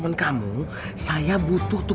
apa apa apa tadi